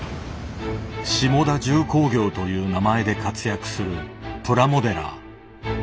「下田重工業」という名前で活躍するプラモデラー。